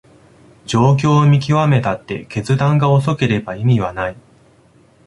状況を見極めたって決断が遅ければ意味はない